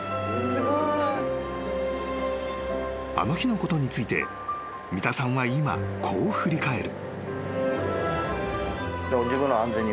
［あの日のことについて三田さんは今こう振り返る］